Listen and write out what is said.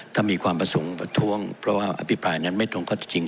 ถ้ามีความประสงค์ประท้วงเพราะว่าอภิปรายนั้นไม่ตรงข้อที่จริง